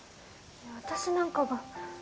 いや私なんかが。